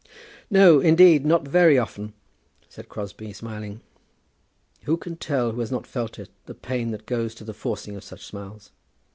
"No, indeed, not very often," said Crosbie, smiling. Who can tell, who has not felt it, the pain that goes to the forcing of such smiles?